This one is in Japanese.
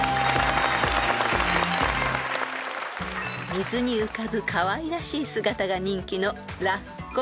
［水に浮かぶかわいらしい姿が人気のラッコ］